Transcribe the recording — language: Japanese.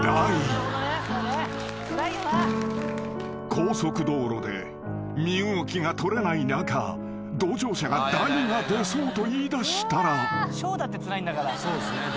［高速道路で身動きが取れない中同乗者が大が出そうと言いだしたら］